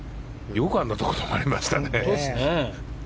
よくあんなところで止まりましたね。